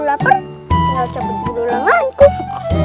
lapar enggak cepet dulu langsung sana